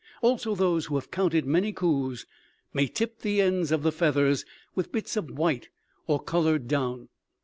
Also those who have counted many coups may tip the ends of the feathers with bits of white or colored down.